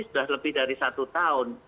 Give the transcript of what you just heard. sudah lebih dari satu tahun